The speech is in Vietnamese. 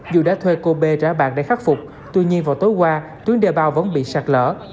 dù đã thuê cô bê ra bàn để khắc phục tuy nhiên vào tối qua tuyến đe bao vẫn bị sạt lỡ